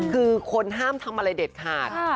คือคนห้ามทำอะไรเด็ดขาด